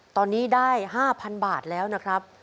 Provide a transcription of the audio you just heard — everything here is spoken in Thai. ตอนนี้ได้๕๐๐๐บาทแล้วนะครับ